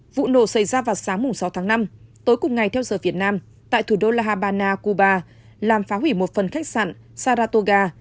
vụ nổ xảy ra vào sáng sáu tháng năm tối cùng ngày theo giờ việt nam tại thủ đô la habana cuba làm phá hủy một phần khách sạn saratoga